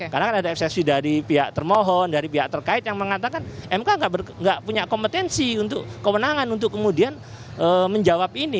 karena kan ada eksepsi dari pihak termohon dari pihak terkait yang mengatakan mk tidak punya kompetensi untuk kemenangan untuk kemudian menjawab ini